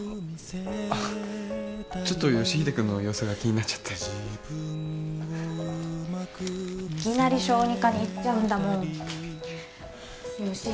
ちょっと佳秀君の様子が気になっちゃっていきなり小児科に行っちゃうんだもん佳秀